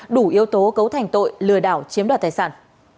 đủ yếu tố cấu thành tội lừa đảo chiếm đoạt tài sản